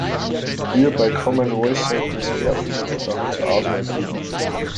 Hier bei Common Voice sollte es mehr Umgangssprache zur Auswahl geben.